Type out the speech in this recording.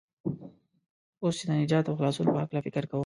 اوس چې د نجات او خلاصون په هلکه فکر کوم.